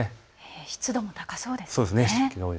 湿度も高そうですね。